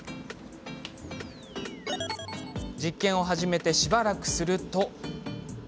実験を始めてしばらくすると。